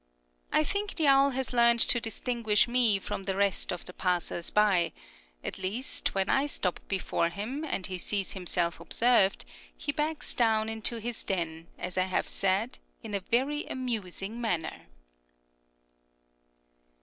I think the owl has learned to distinguish me from the rest of the passers by; at least, when I stop before him, and he sees himself observed, he backs down into his den, as I have said, in a very amusing manner.